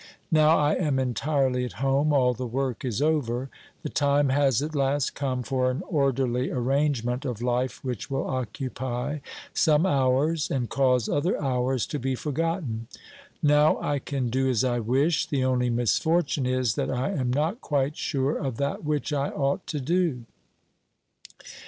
Now I am entirely at home; all the work is over. The time has at last come for an orderly arrangement of life which will occupy some hours and cause other hours to be forgotten. Now I can do as I wish \ the only misfortune is that I am not quite sure of that which I ought to do.